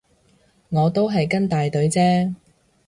我都係跟大隊啫